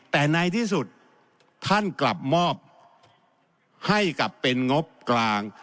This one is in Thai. แต่ในที่สุดท่านกลับมอบให้กับเป็นงบกลาง